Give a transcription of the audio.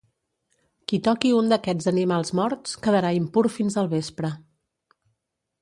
Qui toqui un d'aquests animals morts, quedarà impur fins al vespre.